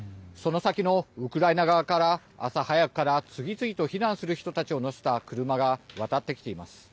その先のウクライナ側から朝早くから次々と避難する人たちを乗せた車が渡ってきています。